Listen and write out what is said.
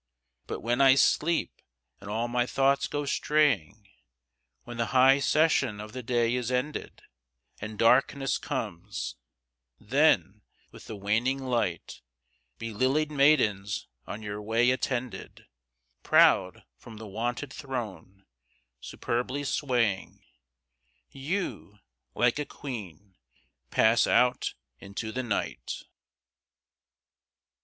But when I sleep, and all my thoughts go straying, When the high session of the day is ended, And darkness comes; then, with the waning light, By lilied maidens on your way attended, Proud from the wonted throne, superbly swaying, You, like a queen, pass out into the night.